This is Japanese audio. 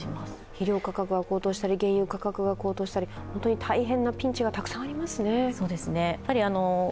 肥料価格や原油価格が高騰したり本当に大変なピンチがたくさんありますね。